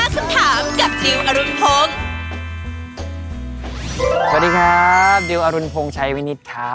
สวัสดีครับดิวอรุณพงศ์ชัยวินิตครับ